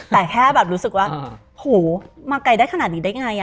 แต่แค่แบบรู้สึกว่าโหมาไกลได้ขนาดนี้ได้ไง